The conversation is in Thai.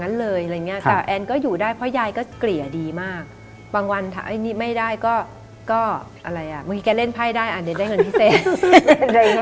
แต่แอนก็อยู่ได้เพราะยายก็เกรียดีมากบางวันไม่ได้ก็อะไรอ่ะเมื่อกี้แกเล่นไพ่ได้อ่ะเดี๋ยวได้เงินพิเศษ